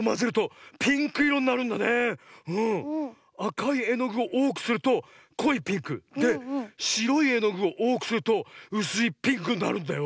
あかいえのぐをおおくするとこいピンク。でしろいえのぐをおおくするとうすいピンクになるんだよ。